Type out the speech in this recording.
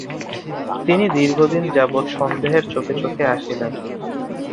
তিনি দীর্ঘদিন যাবৎ সন্দেহের চোখে দেখে আসছিলেন।